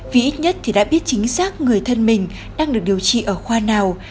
vì ít nhất thì đã biết chính xác người thân mình đang được điều trị ở khoa nào